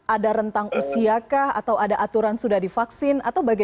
ada rentang usiakah atau ada aturan sudah divaksin